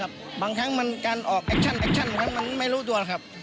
บางครั้งมันการออกแอคชั่นมันไม่รู้ตัวครับ